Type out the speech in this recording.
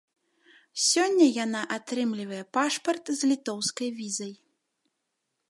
Сёння яна атрымлівае пашпарт з літоўскай візай.